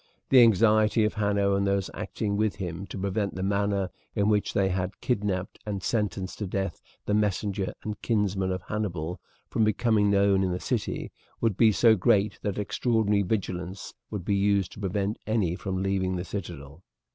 The anxiety of Hanno and those acting with him to prevent the manner in which they had kidnapped and sentenced to death the messenger and kinsman of Hannibal from becoming known in the city, would be so great that extraordinary vigilance would be used to prevent any from leaving the citadel.